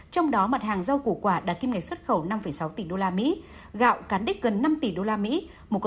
trong đó mặt hàng rau củ quả đạt kim ngạch xuất khẩu năm sáu tỷ usd gạo cán đích gần năm tỷ usd